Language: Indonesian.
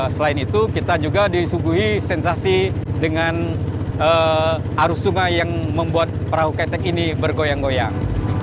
selain itu kita juga disuguhi sensasi dengan arus sungai yang membuat perahu ketek ini bergoyang goyang